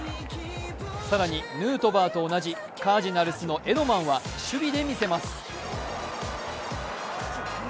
更にヌートバーと同じカージナルスのエドマンは守備でみせます。